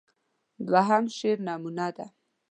دوهم شعر نمونه ده.